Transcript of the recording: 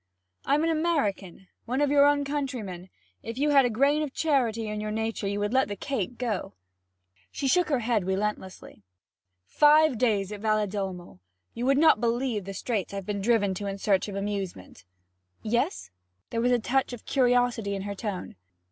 'I'm an American one of your own countrymen; if you had a grain of charity in your nature you would let the cake go.' She shook her head relentlessly. 'Five days at Valedolmo! You would not believe the straits I've been driven to in search of amusement.' 'Yes?' There was a touch of curiosity in her tone.